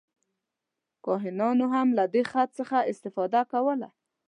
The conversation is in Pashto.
کاهنانو هم له دې خط څخه استفاده کوله.